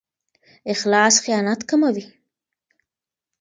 اخلاص خیانت کموي.